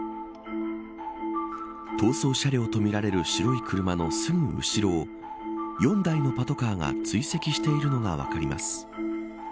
逃走車両とみられる白い車のすぐ後ろを４台のパトカーが追跡しているのが分かります。